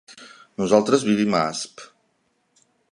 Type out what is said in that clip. Nosaltres vivim a Asp.